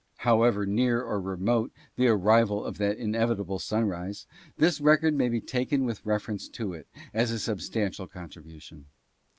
However near or remote the arrival of that inevitable sunrise, this record may be taken with reference to it as a substantial contribution.